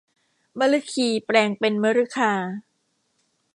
มฤคีแปลงเป็นมฤคา